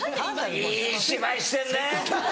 いい芝居してるね！